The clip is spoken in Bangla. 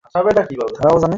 Thank you, sir?